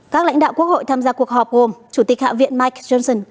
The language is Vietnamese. các lãnh đạo quốc hội tham gia cuộc họp gồm chủ tịch hạ viện mike johnson